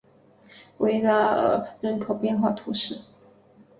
维拉尔人口变化图示